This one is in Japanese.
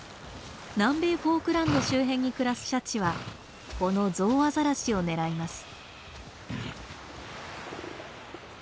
南米フォークランド周辺に暮らすシャチはこのゾウアザラシを狙います。